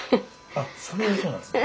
あそれがそうなんですね。